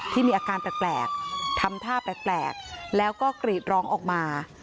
ที่มีอาการแปลกทำท่าแปลกแล้วก็กรีดร้องออกมา